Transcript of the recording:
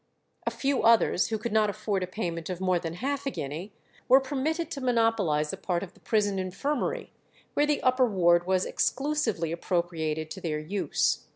A few others, who could not afford a payment of more than half a guinea, were permitted to monopolize a part of the prison infirmary, where the upper ward was exclusively appropriated to their use.